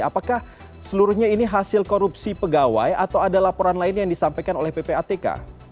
apakah seluruhnya ini hasil korupsi pegawai atau ada laporan lain yang disampaikan oleh ppatk